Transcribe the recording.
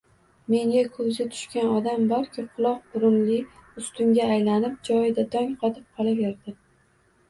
Menga ko‘zi tushgan odam borki, quloq-burunli ustunga aylanib, joyida dong qotib qolaverdi